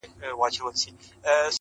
اسمان به ولاړ وي ، لاټ به مردار وي